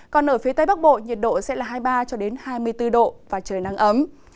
còn ở phía tây bắc bộ nhiệt độ sẽ là hai mươi ba hai mươi bốn độ và trời nắng ấm